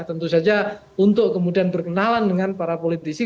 tentu saja untuk kemudian berkenalan dengan para politisi